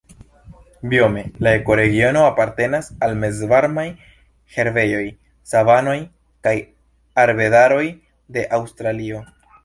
Biome la ekoregiono apartenas al mezvarmaj herbejoj, savanoj kaj arbedaroj de Aŭstralio.